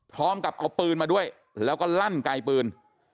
พร้อมกับเอาปืนมาด้วยแล้วก็ลั่นไกลปืน